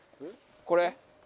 これ？